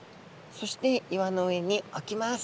そして岩の上におきます。